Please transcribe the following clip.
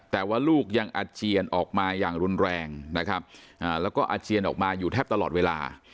แต่ว่าลูกยังอาเจียนออกมาอย่างรุนแรงนะครับแล้วก็อาเจียนออกมาอยู่แทบตลอดเวลา